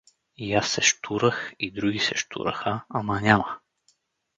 И аз се щурах, и други се щураха, ама няма.